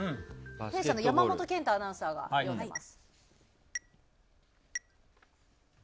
弊社の山本健太アナウンサーが読みます。